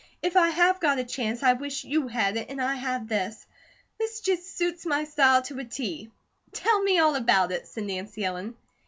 If I have got a chance, I wish YOU had it, and I had THIS. This just suits my style to a T." "Tell me about it," said Nancy Ellen.